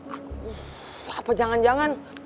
aku apa jangan jangan